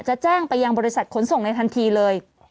แจ้งไปยังบริษัทขนส่งในทันทีเลย